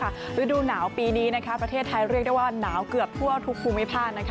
ฤดูหนาวปีนี้ประเทศไทยเรียกได้ว่าหนาวเกือบทั่วทุกภูมิภาค